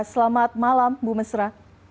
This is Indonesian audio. selamat malam ibu mesra